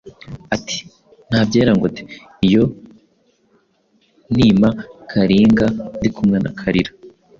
ati «Nta byera ngo de; iyo nima Kalinga ndikumwe na Kalira !»